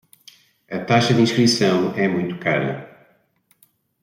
A taxa de inscrição é muito cara